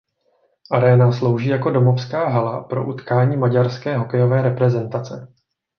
Aréna slouží jako domovská hala pro utkání maďarské hokejové reprezentace.